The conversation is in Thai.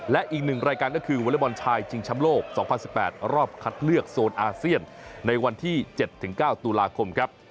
และอีกหนึ่งรายการก็คือวอเล็กบอลชายชิงช้ำโลก๒๐๑๘รอบคัดเลือกโซนอาเซียนในวันที่๗๙ตุลาคมครับ